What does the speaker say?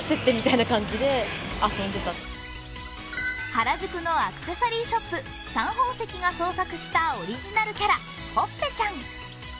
原宿のアクセサリーショップサン宝石が創作したオリジナルキャラ、ほっぺちゃん。